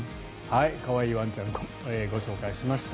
可愛いワンちゃんご紹介しました。